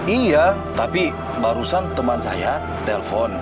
iya tapi barusan teman saya telpon